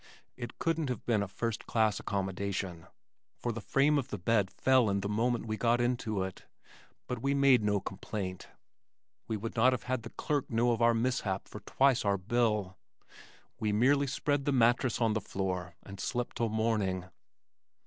It couldn't have been a first class accommodation, for the frame of the bed fell in the moment we got into it, but we made no complaint we would not have had the clerk know of our mishap for twice our bill. We merely spread the mattress on the floor and slept till morning.